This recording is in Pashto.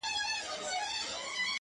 ستونی ولي په نارو څیرې ناحقه.!